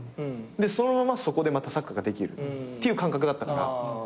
そのままそこでまたサッカーができるっていう感覚だったから。